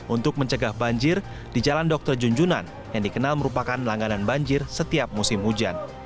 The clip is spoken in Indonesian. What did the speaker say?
untuk mencegah banjir di jalan dr junjunan yang dikenal merupakan langganan banjir setiap musim hujan